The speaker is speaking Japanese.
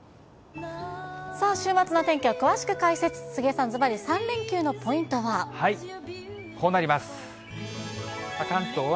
さあ、週末の天気を詳しく解説、杉江さん、ずばり３連休のポイントは。